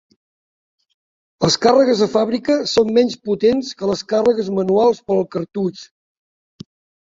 Les càrregues de fàbrica són menys potents que les càrregues manuals per al cartutx.